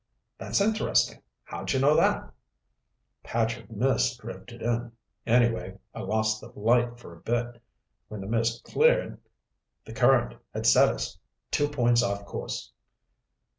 "That's interesting. How'd you know that?" "Patch of mist drifted in. Anyway, I lost the light for a bit. When the mist cleared, the current had set us two points off course."